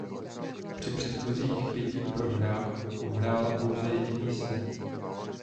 Při předchozích pěti prohrách uhrála pouze jediný set.